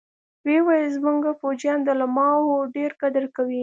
ويې ويل زمونګه فوجيان د علماوو ډېر قدر کوي.